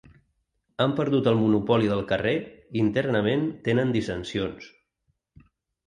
Han perdut el monopoli del carrer i internament tenen dissensions.